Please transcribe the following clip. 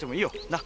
なっ。